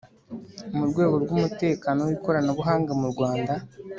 Mu rwego rw’umutekano w’ikoranabuhanga mu Rwanda